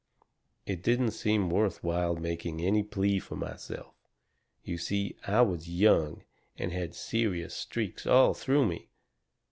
It didn't seem worth while making any plea for myself. You see, I was young and had serious streaks all through me.